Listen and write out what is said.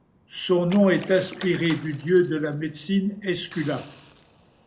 Son nom est inspiré du dieu de la médecine Esculape.